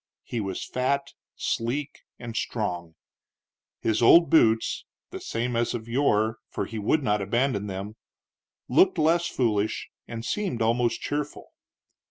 He was fat, sleek, and strong. His old boots the same as of yore, for he would not abandon them looked less foolish and seemed almost cheerful.